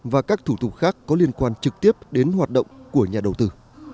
và các thủ tục khác có liên quan trực tiếp đến hoạt động của nhà đầu tư